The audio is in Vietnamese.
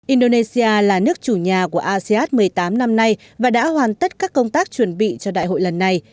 indonesia là nước chủ nhà của asean một mươi tám năm nay và đã hoàn tất các công tác chuẩn bị cho đại hội lần này